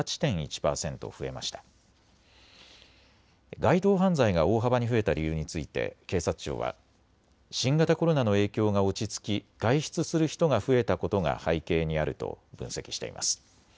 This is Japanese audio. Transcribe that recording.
街頭犯罪が大幅に増えた理由について警察庁は新型コロナの影響が落ち着き外出する人が増えたことが背景にあると分析しています。